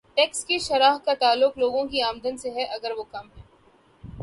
Tax کی شرح کا تعلق لوگوں کی آمدن سے ہے اگر وہ کم ہے۔